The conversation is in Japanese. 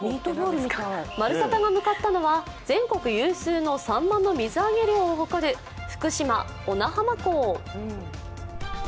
「まるサタ」が向かったのは全国有数のサンマの水揚げ量を誇る福島・小名浜港。